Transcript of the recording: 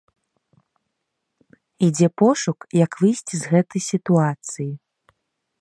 Ідзе пошук, як выйсці з гэтай сітуацыі.